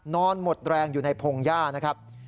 นอนหมดแรงอยู่ในพงหญ้านะครับ